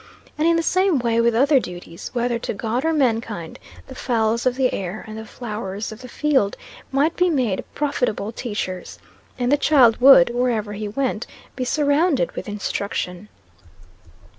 And in the same way with other duties, whether to God or mankind, the fowls of the air and the flowers of the field might be made profitable teachers, and the child would, wherever he went, be surrounded with instruction.